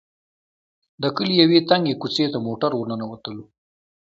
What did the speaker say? د کلي يوې تنګې کوڅې ته موټر ور ننوتلو.